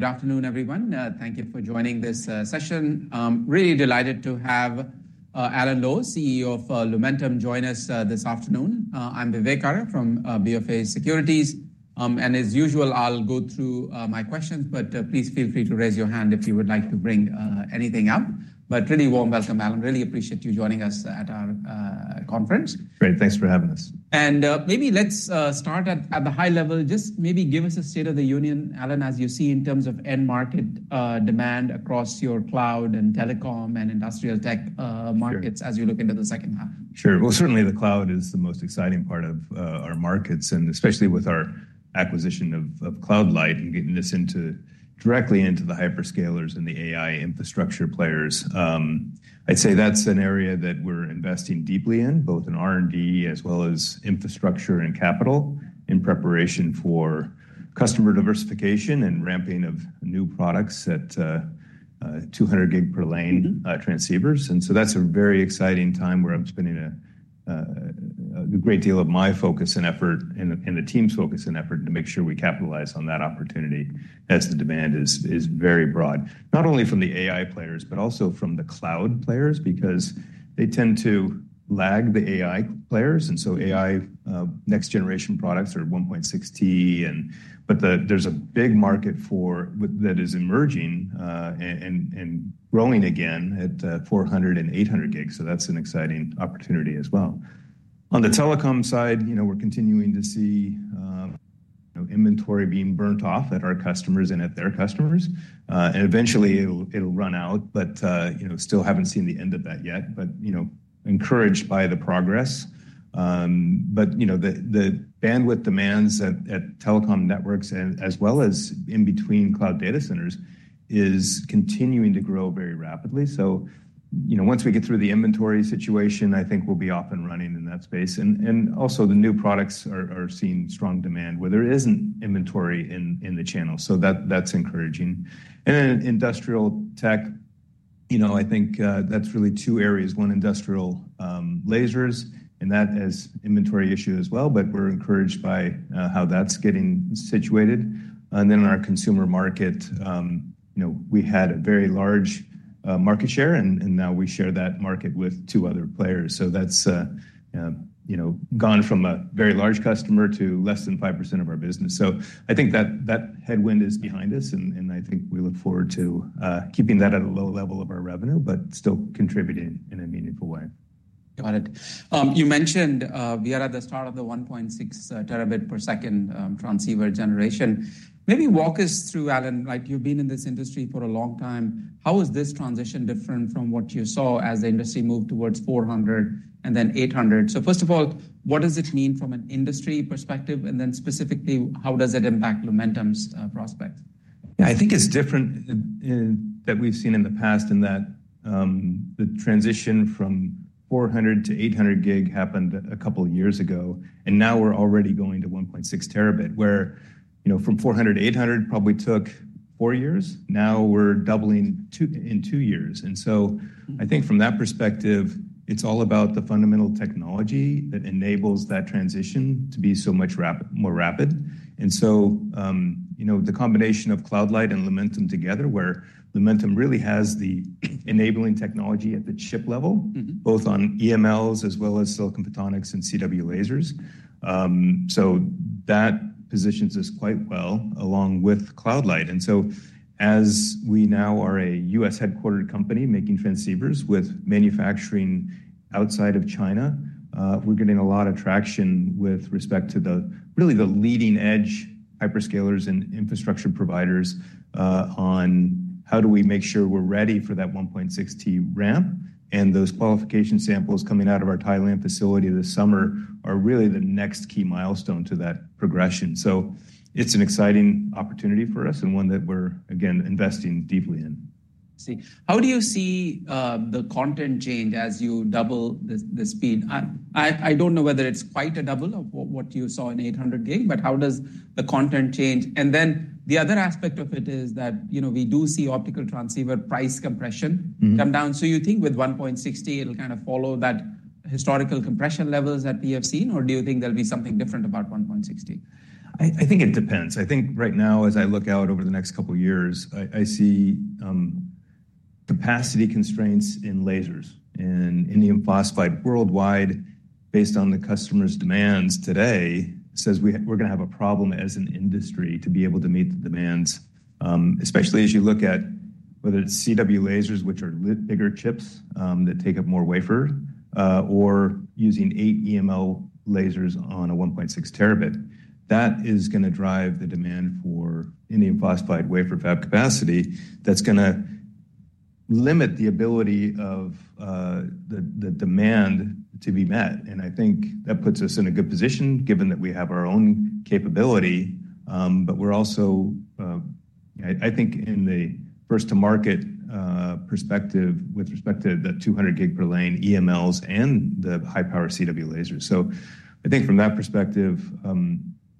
Good afternoon, everyone. Thank you for joining this session. Really delighted to have Alan Lowe, CEO of Lumentum, join us this afternoon. I'm Vivek Arya from BofA Securities. And as usual, I'll go through my questions, but please feel free to raise your hand if you would like to bring anything up. Really warm welcome, Alan. Really appreciate you joining us at our conference. Great. Thanks for having us. And, maybe let's start at the high level. Just maybe give us a state of the union, Alan, as you see in terms of end market demand across your cloud and telecom and industrial tech markets as you look into the second half. Sure. Well, certainly, the cloud is the most exciting part of our markets, and especially with our acquisition of Cloud Light and getting this into directly into the hyperscalers and the AI infrastructure players. I'd say that's an area that we're investing deeply in, both in R&D, as well as infrastructure and capital, in preparation for customer diversification and ramping of new products at 200 GB per lane transceivers. And so that's a very exciting time, where I'm spending a great deal of my focus and effort, and the team's focus and effort, to make sure we capitalize on that opportunity, as the demand is very broad. Not only from the AI players, but also from the cloud players, because they tend to lag the AI players, and so AI next generation products are at 1.6 T, but there's a big market for, with that is emerging, and growing again at 400 GB and 800 GB, so that's an exciting opportunity as well. On the telecom side, you know, we're continuing to see, you know, inventory being burned off at our customers and at their customers. And eventually it'll, it'll run out, but, you know, still haven't seen the end of that yet. But, you know, encouraged by the progress. But, you know, the bandwidth demands at telecom networks and as well as in between cloud data centers is continuing to grow very rapidly. So, you know, once we get through the inventory situation, I think we'll be off and running in that space. And also, the new products are seeing strong demand, where there isn't inventory in the channel, so that's encouraging. And then industrial tech, you know, I think, that's really two areas. One, industrial lasers, and that has inventory issue as well, but we're encouraged by how that's getting situated. And then in our consumer market, you know, we had a very large market share, and now we share that market with two other players. So that's, you know, gone from a very large customer to less than 5% of our business. So I think that that headwind is behind us, and I think we look forward to keeping that at a low level of our revenue, but still contributing in a meaningful way. Got it. You mentioned, we are at the start of the 1.6 TB per second, transceiver generation. Maybe walk us through, Alan, like, you've been in this industry for a long time, how is this transition different from what you saw as the industry moved towards 400 GB and then 800 GB? So first of all, what does it mean from an industry perspective, and then specifically, how does it impact Lumentum's, prospects? Yeah, I think it's different in that we've seen in the past, the transition from 400 GB to 800 GB happened a couple of years ago, and now we're already going to 1.6 TB, where, you know, from 400 GB to 800 GB probably took four years. Now, we're doubling in two years. And so I think from that perspective, it's all about the fundamental technology that enables that transition to be so much more rapid. And so, you know, the combination of Cloud Light and Lumentum together, where Lumentum really has the enabling technology at the chip level both on EMLs as well as silicon photonics and CW lasers. So that positions us quite well along with Cloud Light. And so as we now are a U.S.-headquartered company, making transceivers with manufacturing outside of China, we're getting a lot of traction with respect to the really the leading-edge hyperscalers and infrastructure providers, on how do we make sure we're ready for that 1.6 T ramp, and those qualification samples coming out of our Thailand facility this summer are really the next key milestone to that progression. So it's an exciting opportunity for us and one that we're, again, investing deeply in. I see. How do you see the content change as you double the speed? I don't know whether it's quite a double of what you saw in 800 gig, but how does the content change? And then the other aspect of it is that, you know, we do see optical transceiver price compression come down. So you think with 1.6 T, it'll kind of follow that historical compression levels that we have seen, or do you think there'll be something different about 1.6 T? I think it depends. I think right now, as I look out over the next couple of years, I see capacity constraints in lasers and indium phosphide worldwide, based on the customers' demands today, says we're gonna have a problem as an industry to be able to meet the demands, especially as you look at whether it's CW lasers, which are a bit bigger chips, that take up more wafer, or using 8 EML lasers on a 1.6 terabit. That is gonna drive the demand for indium phosphide wafer fab capacity that's gonna limit the ability of the demand to be met. And I think that puts us in a good position, given that we have our own capability, but we're also I think in the first-to-market perspective with respect to the 200 GB per lane EMLs and the high-power CW lasers. So I think from that perspective,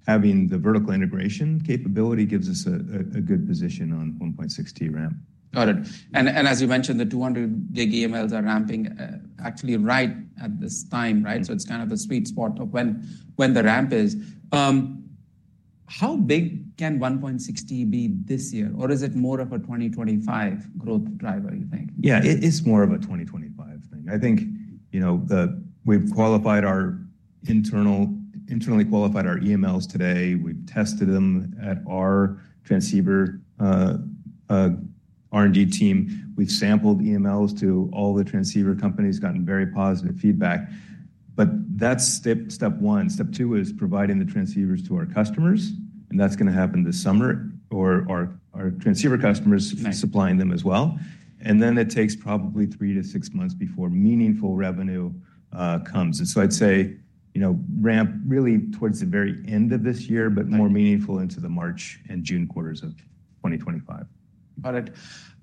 having the vertical integration capability gives us a good position on the 1.6 TB ramp. Got it. And, and as you mentioned, the 200 GB EMLs are ramping, actually right at this time, right? So it's kind of the sweet spot of when, when the ramp is. How big can 1.6 TB be this year, or is it more of a 2025 growth driver, you think? Yeah, it's more of a 2025 thing. I think, you know, we've internally qualified our EMLs today. We've tested them at our transceiver R&D team. We've sampled EMLs to all the transceiver companies, gotten very positive feedback. But that's step one. Step two is providing the transceivers to our customers, and that's gonna happen this summer, or our transceiver customers— Nice. —supplying them as well. And then it takes probably three to six months before meaningful revenue comes. And so I'd say, you know, ramp really towards the very end of this year but more meaningful into the March and June quarters of 2025. Got it.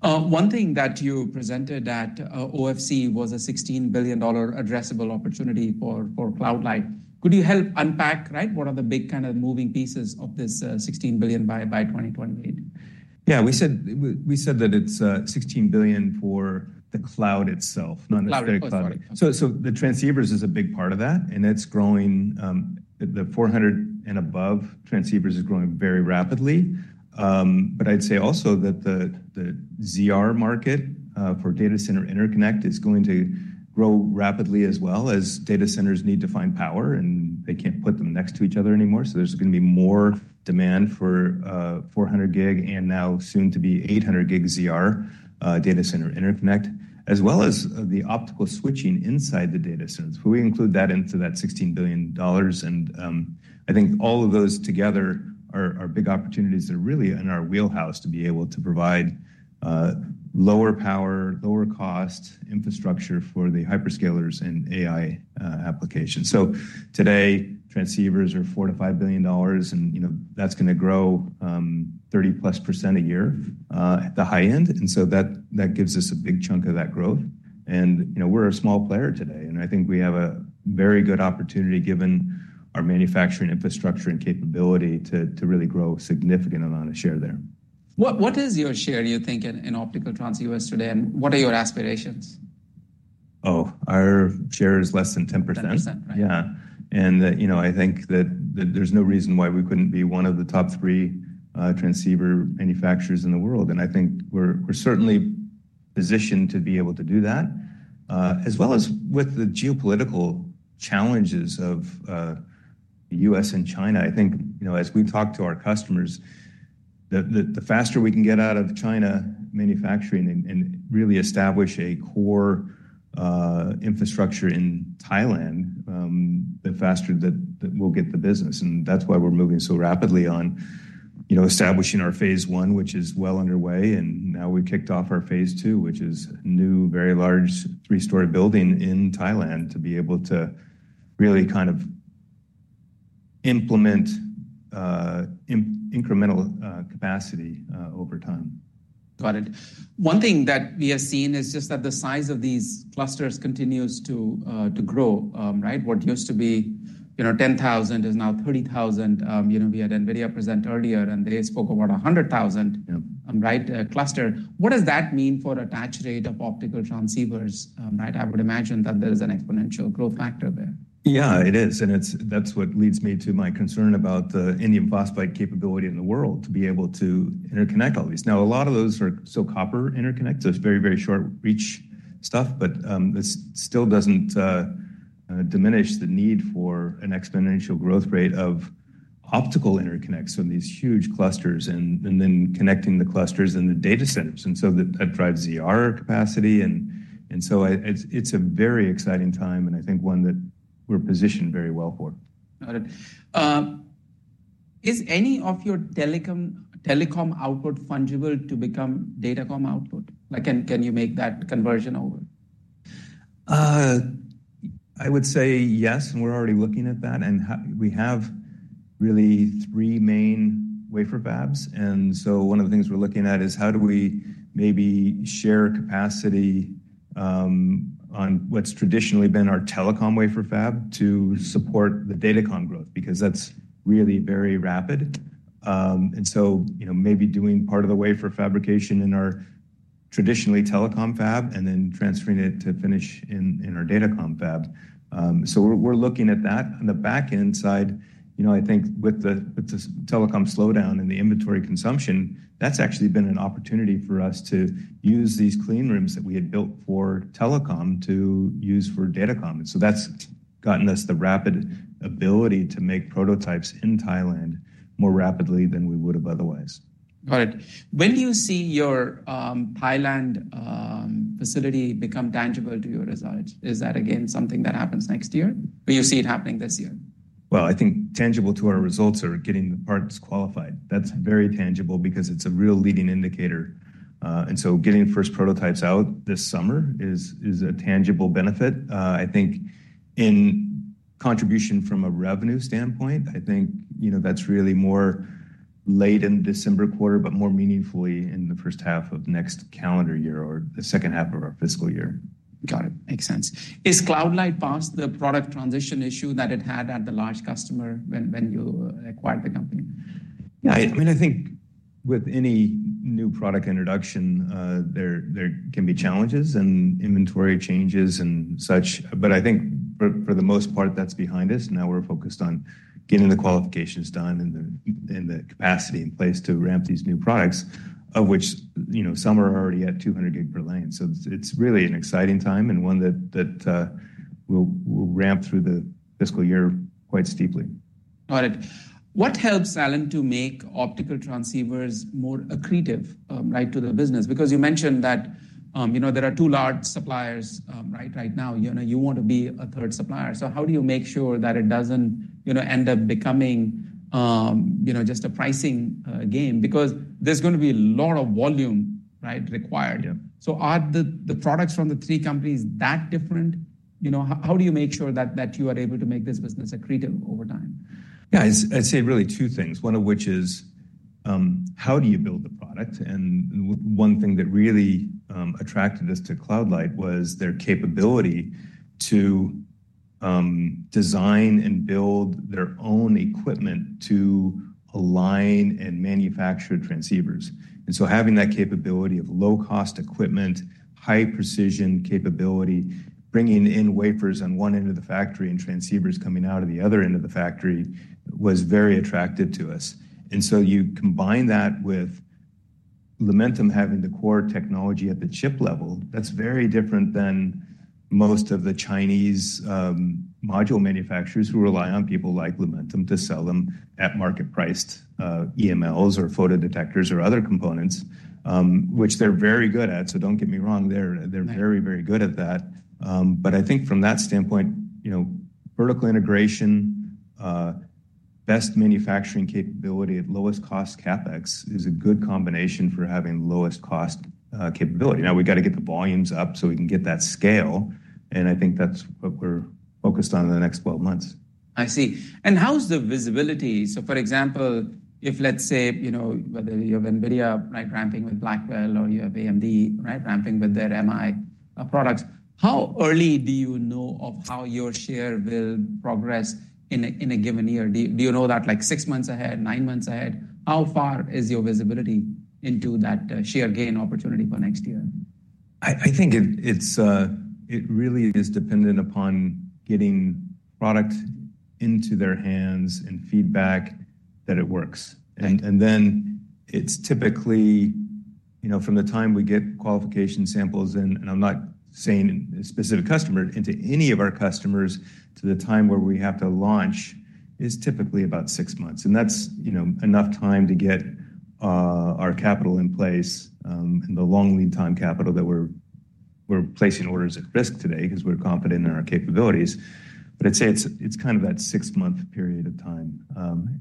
One thing that you presented at OFC was a $16 billion addressable opportunity for Cloud Light. Could you help unpack, right, what are the big kind of moving pieces of this $16 billion by 2028? Yeah, we said that it's $16 billion for the cloud itself, not necessarily— Cloud, oh, sorry. So, the transceivers is a big part of that, and it's growing, the 400 GB and above transceivers is growing very rapidly. But I'd say also that the ZR market for Data Center Interconnect is going to grow rapidly as well, as data centers need to find power, and they can't put them next to each other anymore. So there's gonna be more demand for 400 GB, and now soon to be 800 GB ZR Data Center Interconnect, as well as the optical switching inside the data centers. We include that into that $16 billion, and I think all of those together are big opportunities that are really in our wheelhouse to be able to provide lower power, lower cost infrastructure for the hyperscalers and AI applications. Today, transceivers are $4 billion-5 billion, and, you know, that's gonna grow 30%+ a year at the high end. And so that gives us a big chunk of that growth. And, you know, we're a small player today, and I think we have a very good opportunity, given our manufacturing infrastructure and capability, to really grow a significant amount of share there. What is your share, do you think, in optical transceivers today, and what are your aspirations? Oh, our share is less than 10%. 10%, right. Yeah. And, you know, I think that there's no reason why we couldn't be one of the top three transceiver manufacturers in the world. And I think we're certainly positioned to be able to do that. As well as with the geopolitical challenges of the U.S. and China, I think, you know, as we talk to our customers, the faster we can get out of China manufacturing and really establish a core infrastructure in Thailand, the faster that we'll get the business. And that's why we're moving so rapidly on, you know, establishing our phase one, which is well underway, and now we've kicked off our phase two, which is a new, very large three-story building in Thailand, to be able to really kind of implement incremental capacity over time. Got it. One thing that we have seen is just that the size of these clusters continues to grow. Right? What used to be, you know, 10,000 is now 30,000. You know, we had NVIDIA present earlier, and they spoke about 100,000— Yeah. —right, cluster. What does that mean for attach rate of optical transceivers, right? I would imagine that there is an exponential growth factor there. Yeah, it is, and it's - that's what leads me to my concern about the indium phosphide capability in the world to be able to interconnect all these. Now, a lot of those are still copper interconnect, so it's very, very short-reach stuff, but, this still doesn't diminish the need for an exponential growth rate of optical interconnects on these huge clusters and, and then connecting the clusters in the data centers. And so that, that drives ZR capacity and, and so it, it's, it's a very exciting time, and I think one that we're positioned very well for. Got it. Is any of your telecom output fungible to become datacom output? Like, can you make that conversion over? I would say yes, and we're already looking at that, and we have really three main wafer fabs. And so one of the things we're looking at is, how do we maybe share capacity on what's traditionally been our telecom wafer fab to support the datacom growth? Because that's really very rapid. And so, you know, maybe doing part of the wafer fabrication in our traditionally telecom fab and then transferring it to finish in our datacom fab. So we're looking at that. On the back-end side, you know, I think with the telecom slowdown and the inventory consumption, that's actually been an opportunity for us to use these clean rooms that we had built for telecom to use for datacom. And so that's gotten us the rapid ability to make prototypes in Thailand more rapidly than we would have otherwise. Got it. When do you see your Thailand facility become tangible to your results? Is that again, something that happens next year, or you see it happening this year? Well, I think tangible to our results are getting the parts qualified. That's very tangible because it's a real leading indicator. And so getting the first prototypes out this summer is a tangible benefit. I think in contribution from a revenue standpoint, I think, you know, that's really more late in December quarter, but more meaningfully in the first half of next calendar year or the second half of our fiscal year. .Got it. Makes sense. Is Cloud Light past the product transition issue that it had at the large customer when you acquired the company? Yeah, I mean, I think with any new product introduction, there can be challenges and inventory changes and such. But I think for the most part, that's behind us. Now we're focused on getting the qualifications done and the capacity in place to ramp these new products, of which, you know, some are already at 200 GB per lane. So it's really an exciting time, and one that will ramp through the fiscal year quite steeply. Got it. What helps, Alan, to make optical transceivers more accretive, right, to the business? Because you mentioned that, you know, there are two large suppliers, right, right now. You know, you want to be a third supplier. So how do you make sure that it doesn't, you know, end up becoming, you know, just a pricing game? Because there's gonna be a lot of volume, right, required. Yeah. So are the products from the three companies that different? You know, how do you make sure that you are able to make this business accretive over time? Yeah, I'd say really two things. One of which is, how do you build the product? And one thing that really attracted us to Cloud Light was their capability to design and build their own equipment to align and manufacture transceivers. And so having that capability of low-cost equipment, high-precision capability, bringing in wafers on one end of the factory and transceivers coming out of the other end of the factory, was very attractive to us. And so you combine that with Lumentum having the core technology at the chip level, that's very different than most of the Chinese module manufacturers who rely on people like Lumentum to sell them at market-priced EMLs or photodetectors or other components, which they're very good at, so don't get me wrong. They're, they're very, very good at that. But I think from that standpoint, you know, vertical integration, best manufacturing capability at lowest cost CapEx is a good combination for having lowest cost, capability. Now, we've got to get the volumes up so we can get that scale, and I think that's what we're focused on in the next 12 months. I see. And how's the visibility? So, for example, if let's say, you know, whether you have NVIDIA, right, ramping with Blackwell, or you have AMD, right, ramping with their MI products. How early do you know of how your share will progress in a given year? Do you know that, like, six months ahead, nine months ahead? How far is your visibility into that, share gain opportunity for next year? I think it's really dependent upon getting product into their hands and feedback that it works. Right. And then it's typically, you know, from the time we get qualification samples in, and I'm not saying a specific customer, into any of our customers, to the time where we have to launch, is typically about six months. And that's, you know, enough time to get our capital in place, and the long lead time capital that we're placing orders at risk today 'cause we're confident in our capabilities. But I'd say it's kind of that six-month period of time.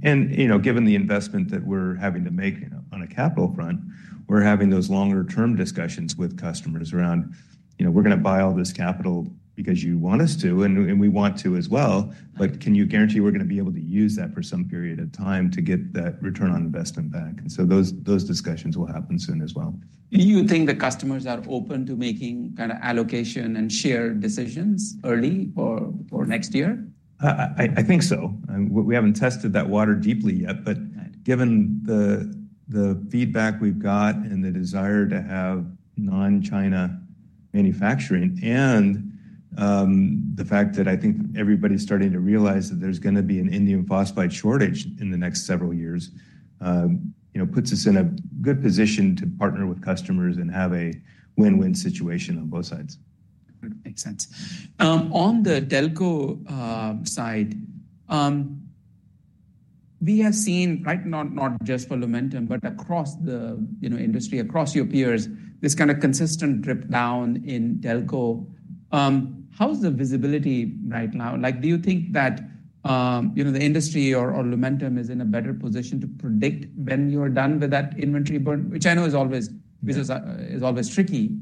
And, you know, given the investment that we're having to make, you know, on a capital front, we're having those longer term discussions with customers around, you know, we're gonna buy all this capital because you want us to, and we, and we want to as well, but can you guarantee we're gonna be able to use that for some period of time to get that return on investment back? And so those, those discussions will happen soon as well. Do you think the customers are open to making allocation and share decisions early for next year? I think so. And we haven't tested that water deeply yet, but given the, the feedback we've got and the desire to have non-China manufacturing and, the fact that I think everybody's starting to realize that there's gonna be an indium phosphide shortage in the next several years, you know, puts us in a good position to partner with customers and have a win-win situation on both sides. Makes sense. On the telco side, we have seen, right, not just for Lumentum, but across the, you know, industry, across your peers, this kind of consistent drip down in telco. How's the visibility right now? Like, do you think that, you know, the industry or Lumentum is in a better position to predict when you are done with that inventory burn? Which I know is always business is always tricky.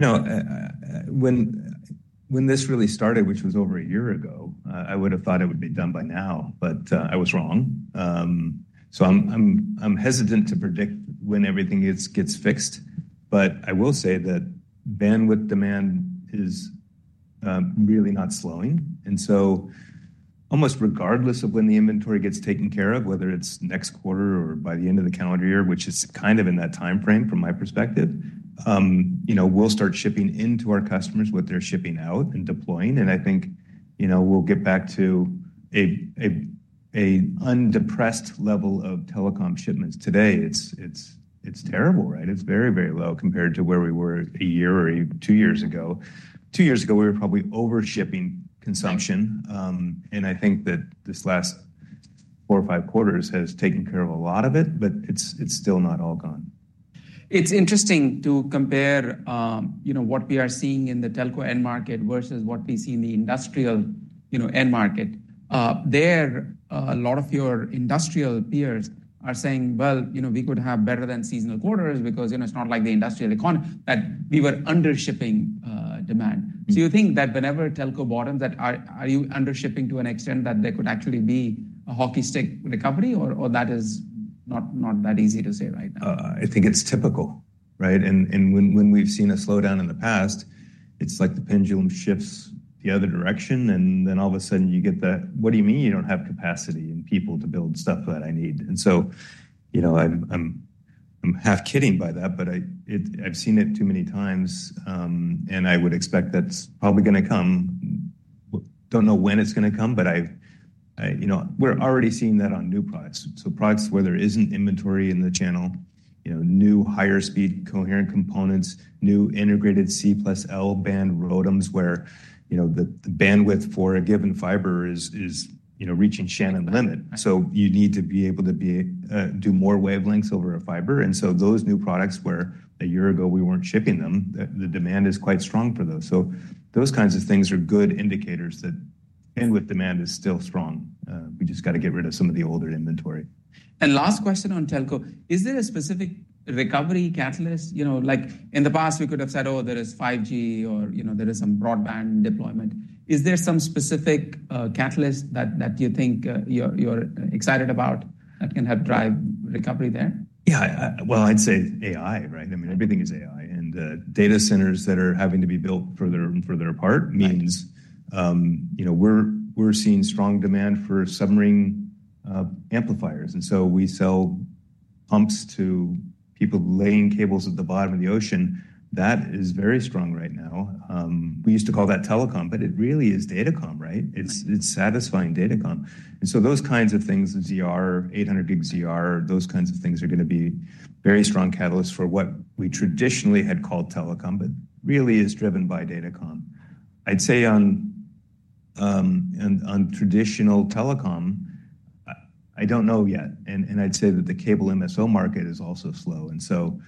You know, when this really started, which was over a year ago, I would have thought it would be done by now, but I was wrong. So I'm hesitant to predict when everything gets fixed, but I will say that bandwidth demand is really not slowing. And so almost regardless of when the inventory gets taken care of, whether it's next quarter or by the end of the calendar year, which is kind of in that timeframe from my perspective, you know, we'll start shipping in to our customers what they're shipping out and deploying. And I think, you know, we'll get back to a undepressed level of telecom shipments. Today, it's terrible, right? It's very, very low compared to where we were a year or even two years ago. Two years ago, we were probably over-shipping consumption. I think that this last four or five quarters has taken care of a lot of it, but it's still not all gone. It's interesting to compare, you know, what we are seeing in the telco end market versus what we see in the industrial, you know, end market. A lot of your industrial peers are saying, "Well, you know, we could have better than seasonal quarters because, you know, it's not like the industrial economy, that we were under shipping demand. Do you think that whenever telco bottoms, are you under shipping to an extent that there could actually be a hockey stick recovery, or that is not that easy to say right now? I think it's typical, right? And when we've seen a slowdown in the past, it's like the pendulum shifts the other direction, and then all of a sudden, you get the: "What do you mean you don't have capacity and people to build stuff that I need?" And so, you know, I'm half kidding by that, but it, I've seen it too many times, and I would expect that's probably gonna come. We don't know when it's gonna come, but I've–You know, we're already seeing that on new products. So products where there isn't inventory in the channel, you know, new higher-speed coherent components, new integrated C+L band ROADMs, where, you know, the bandwidth for a given fiber is reaching Shannon limit. So you need to be able to do more wavelengths over a fiber. And so those new products were a year ago we weren't shipping them, the demand is quite strong for those. So those kinds of things are good indicators that bandwidth demand is still strong. We just got to get rid of some of the older inventory. Last question on telco: Is there a specific recovery catalyst? You know, like, in the past, we could have said, "Oh, there is 5 GB, or, you know, there is some broadband deployment." Is there some specific catalyst that you think you're excited about that can help drive recovery there? Yeah, well, I'd say AI, right? I mean, everything is AI. And, data centers that are having to be built further and further apart means you know, we're seeing strong demand for submarine amplifiers. And so we sell pumps to people laying cables at the bottom of the ocean. That is very strong right now. We used to call that telecom, but it really is datacom, right? It's satisfying datacom. And so those kinds of things, ZR, 800 GB ZR, those kinds of things are gonna be very strong catalysts for what we traditionally had called telecom, but really is driven by datacom. I'd say on traditional telecom, I don't know yet. And I'd say that the cable MSO market is also slow. And so,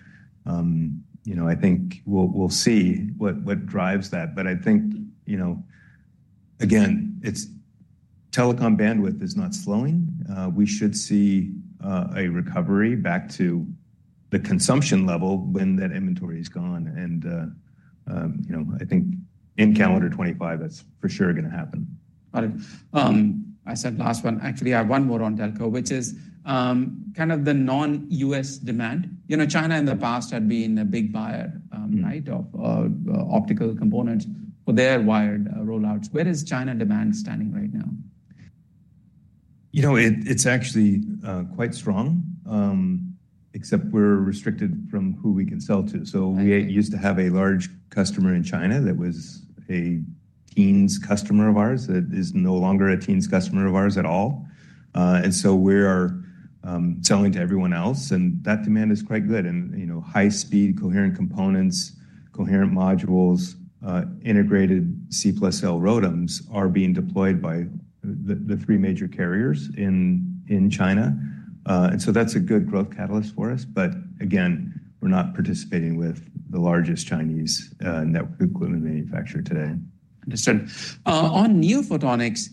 you know, I think we'll see what drives that. But I think, you know, again, it's telecom bandwidth is not slowing. We should see a recovery back to the consumption level when that inventory is gone. And, you know, I think in calendar 2025, that's for sure gonna happen. Got it. I said last one. Actually, I have one more on telco, which is kind of the non-U.S. demand. You know, China in the past had been a big buyer right, of optical components for their wired rollouts. Where is China demand standing right now? You know, it's actually quite strong, except we're restricted from who we can sell to. So we used to have a large customer in China that was a teens customer of ours, that is no longer a teens customer of ours at all. And so we are selling to everyone else, and that demand is quite good. And, you know, high-speed coherent components, coherent modules, integrated C+L ROADMs are being deployed by the three major carriers in China. And so that's a good growth catalyst for us. But again, we're not participating with the largest Chinese network equipment manufacturer today. Understood. On NeoPhotonics,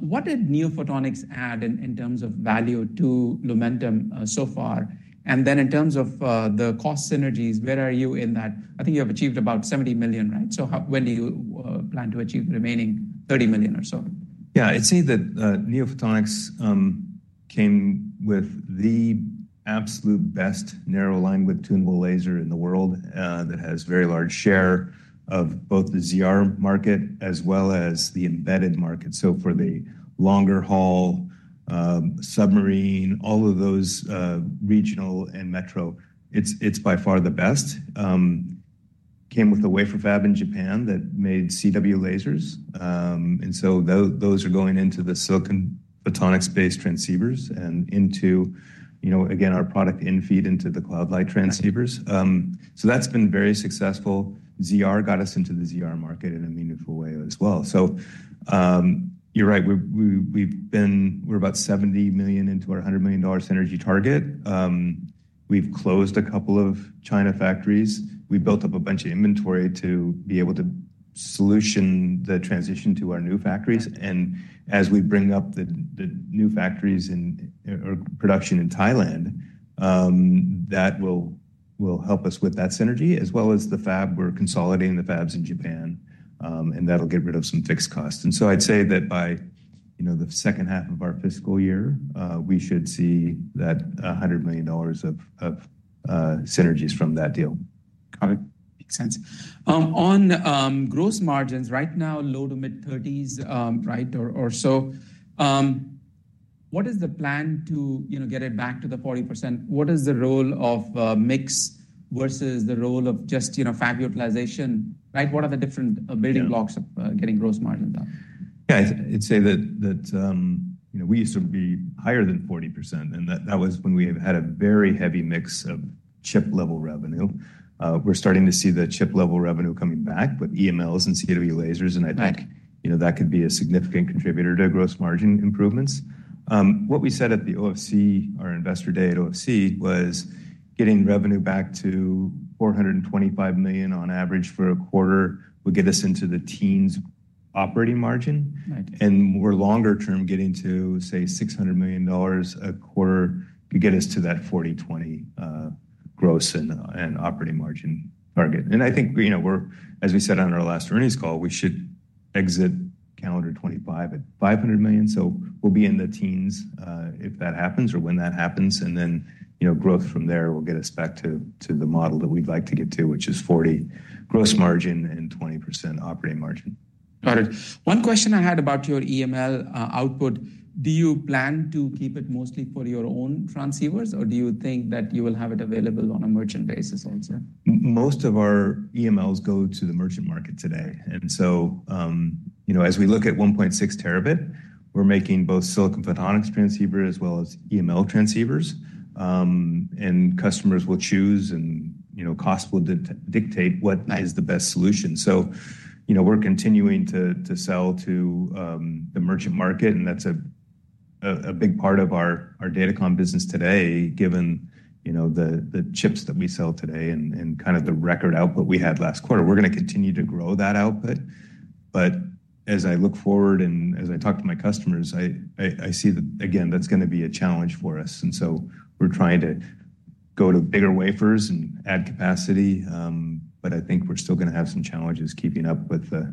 what did NeoPhotonics add in terms of value to Lumentum so far? And then in terms of the cost synergies, where are you in that? I think you have achieved about $70 million, right? So when do you plan to achieve the remaining $30 million or so? Yeah, I'd say that NeoPhotonics came with the absolute best narrow linewidth tunable laser in the world that has very large share of both the ZR market as well as the embedded market. So for the longer haul, submarine, all of those, regional and metro, it's by far the best. Came with a wafer fab in Japan that made CW lasers. And so those are going into the silicon photonics-based transceivers and into, you know, again, our product in-feed into the Cloud Light transceivers. So that's been very successful. ZR got us into the ZR market in a meaningful way as well. So you're right, we're about $70 million into our $100 million synergy target. We've closed a couple of China factories. We've built up a bunch of inventory to be able to solution the transition to our new factories. And as we bring up the new factories in Thailand or production in Thailand, that will help us with that synergy, as well as the fab. We're consolidating the fabs in Japan, and that'll get rid of some fixed costs. And so I'd say that by, you know, the second half of our fiscal year, we should see that $100 million of synergies from that deal. Got it. Makes sense. On gross margins, right now, low- to mid-30s%, right, or so. What is the plan to, you know, get it back to the 40%? What is the role of mix versus the role of just, you know, fab utilization, right? What are the different building blocks of, getting gross margin down? Yeah, I'd say that, you know, we used to be higher than 40%, and that was when we had a very heavy mix of chip-level revenue. We're starting to see the chip-level revenue coming back with EMLs and CW lasers— Right. —and I think, you know, that could be a significant contributor to gross margin improvements. What we said at the OFC, our Investor Day at OFC, was getting revenue back to $425 million on average for a quarter would get us into the teens operating margin. More longer term, getting to, say, $600 million a quarter, could get us to that 40/20 gross and operating margin target. And I think, you know, we're, as we said on our last earnings call, we should exit calendar 2025 at $500 million. So we'll be in the teens if that happens or when that happens, and then, you know, growth from there will get us back to the model that we'd like to get to, which is 40% gross margin and 20% operating margin. Got it. One question I had about your EML output, do you plan to keep it mostly for your own transceivers, or do you think that you will have it available on a merchant basis also? Most of our EMLs go to the merchant market today. And so, you know, as we look at 1.6 TB, we're making both silicon photonics transceiver as well as EML transceivers. And customers will choose, and, you know, cost will dictate what is the best solution. So, you know, we're continuing to sell to the merchant market, and that's a big part of our datacom business today, given, you know, the chips that we sell today and kind of the record output we had last quarter. We're gonna continue to grow that output, but as I look forward and as I talk to my customers, I see that, again, that's gonna be a challenge for us. So we're trying to go to bigger wafers and add capacity, but I think we're still gonna have some challenges keeping up with the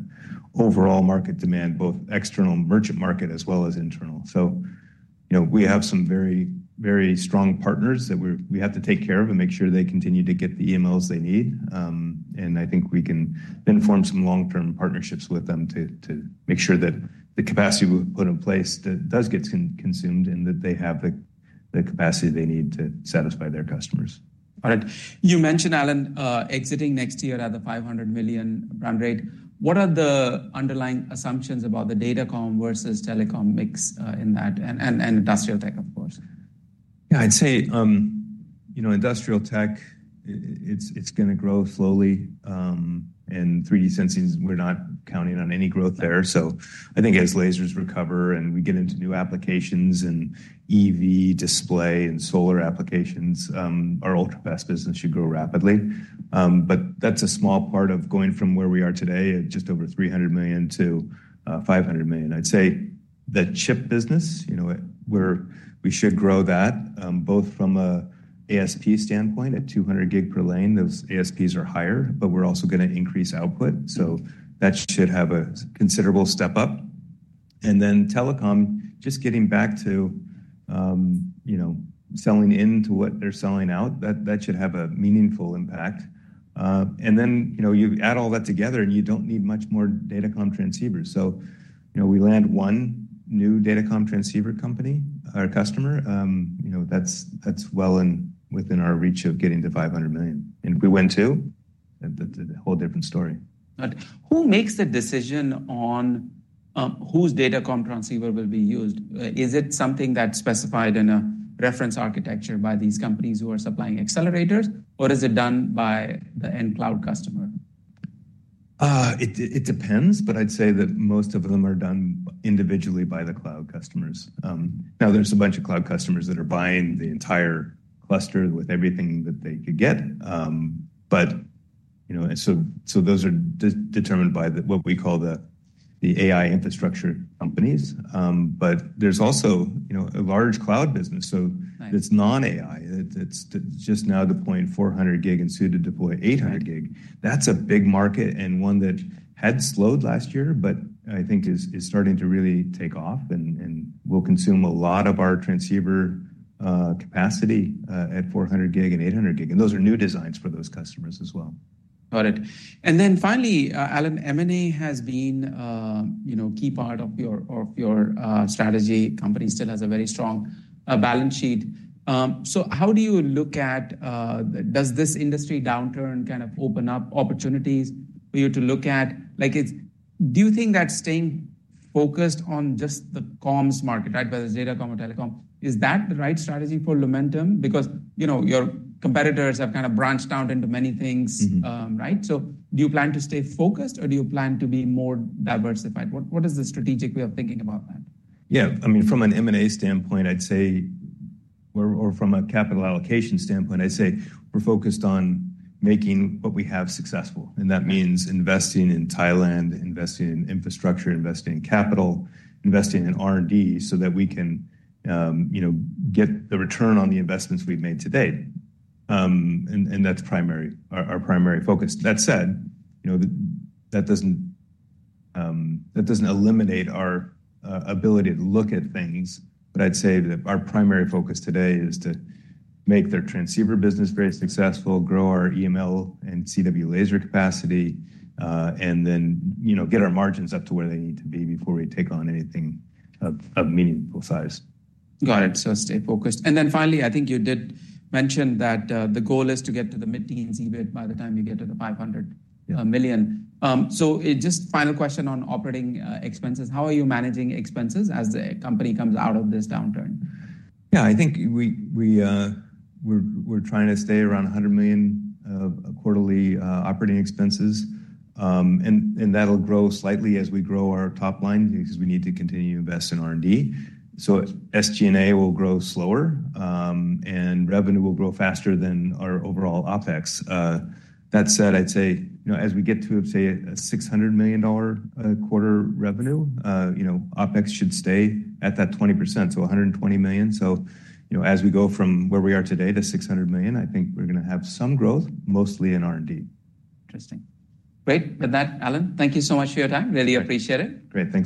overall market demand, both external merchant market as well as internal. So, you know, we have some very, very strong partners that we have to take care of and make sure they continue to get the EMLs they need. I think we can then form some long-term partnerships with them to make sure that the capacity we've put in place does get consumed, and that they have the capacity they need to satisfy their customers. All right. You mentioned, Alan, exiting next year at the $500 million run rate. What are the underlying assumptions about the datacom versus telecom mix in that, and industrial tech, of course? Yeah, I'd say, you know, industrial tech, it's gonna grow slowly, and 3D sensing, we're not counting on any growth there. So I think as lasers recover and we get into new applications and EV display and solar applications, our Ultrafast business should grow rapidly. But that's a small part of going from where we are today at just over $300 million to 500 million. I'd say the chip business, you know, we should grow that, both from an ASP standpoint, at 200 GB per lane, those ASPs are higher, but we're also gonna increase output, so that should have a considerable step up. And then telecom, just getting back to, you know, selling into what they're selling out, that should have a meaningful impact. and then, you know, you add all that together, and you don't need much more datacom transceivers. So, you know, we land one new datacom transceiver company, or customer, you know, that's, that's well in, within our reach of getting to $500 million. And if we win two, that's a whole different story. Who makes the decision on whose datacom transceiver will be used? Is it something that's specified in a reference architecture by these companies who are supplying accelerators, or is it done by the end cloud customer? It depends, but I'd say that most of them are done individually by the cloud customers. Now, there's a bunch of cloud customers that are buying the entire cluster with everything that they could get, but, you know, so those are determined by the, what we call the AI infrastructure companies. But there's also, you know, a large cloud business, so it's non-AI. It's, it's just now deploying 400 GB and soon to deploy 800 GB. That's a big market and one that had slowed last year, but I think is starting to really take off and will consume a lot of our transceiver capacity at 400 GB and 800 GB, and those are new designs for those customers as well. Got it. And then finally, Alan, M&A has been, you know, key part of your strategy. Company still has a very strong balance sheet. So how do you look at, does this industry downturn kind of open up opportunities for you to look at? Like, it's—do you think that staying focused on just the comms market, right, whether it's datacom or telecom, is that the right strategy for Lumentum? Because, you know, your competitors have kind of branched out into many things, right. So do you plan to stay focused, or do you plan to be more diversified? What, what is the strategic way of thinking about that? Yeah. I mean, from an M&A standpoint, I'd say, or from a capital allocation standpoint, I'd say we're focused on making what we have successful, and that means investing in Thailand, investing in infrastructure, investing in capital, investing in R&D, so that we can, you know, get the return on the investments we've made to date. And that's primary, our primary focus. That said, you know, that doesn't eliminate our ability to look at things, but I'd say that our primary focus today is to make the transceiver business very successful, grow our EML and CW laser capacity, and then, you know, get our margins up to where they need to be before we take on anything of meaningful size. Got it. Stay focused. Then finally, I think you did mention that, the goal is to get to the mid-teens EBIT by the time you get to the $500 million. So it just final question on operating expenses. How are you managing expenses as the company comes out of this downturn? Yeah, I think we are trying to stay around $100 million quarterly operating expenses. And that'll grow slightly as we grow our top line because we need to continue to invest in R&D. So, SG&A will grow slower, and revenue will grow faster than our overall OpEx. That said, I'd say, you know, as we get to, say, a $600 million quarter revenue, you know, OpEx should stay at that 20%, so $120 million. So, you know, as we go from where we are today to $600 million, I think we're gonna have some growth, mostly in R&D. Interesting. Great. With that, Alan, thank you so much for your time. Really appreciate it. Great. Thank you.